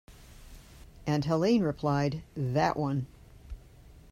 And Helene replied: "That one."